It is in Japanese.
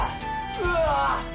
うわ！